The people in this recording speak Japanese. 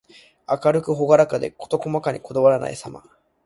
明るくほがらかで、細事にこだわらないさま。